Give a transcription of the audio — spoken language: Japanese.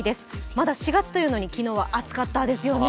まだ４月というのに昨日は暑かったですよね。